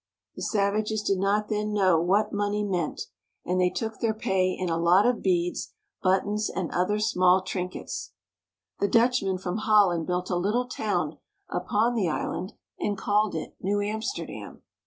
The savages did not then know what money meant, and they took their pay in a lot of beads, buttons, and other small trinkets. The Dutchmen from Holland built a Httle town upon the island and called it New Amsterdam.